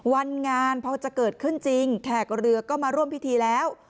วันงานพอจะเกิดขึ้นจริงแขกเรือก็มาร่วมพิธีแล้ว